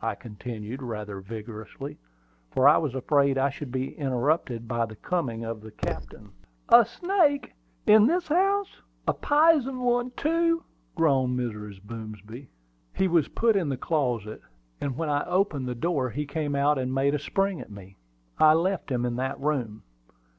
I continued, rather vigorously, for I was afraid I should be interrupted by the coming of the captain. "A snake in this house! a pizen one, too!" groaned Mrs. Boomsby. "He was put in the closet; and when I opened the door he came out and made a spring at me. I left him in that room."